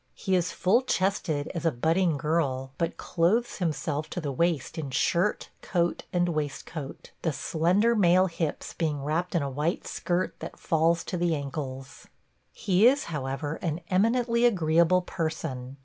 He is full chested as a budding girl, but clothes himself to the waist in shirt, coat, and waistcoat, the slender male hips being wrapped in a white skirt that falls to the ankles. He is, however, an eminently agreeable person.